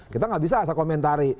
kita tidak bisa asal komentari